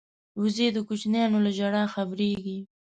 وزې د کوچنیانو له ژړا خبریږي